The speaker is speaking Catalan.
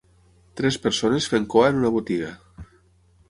Tres persones fent cua en una botiga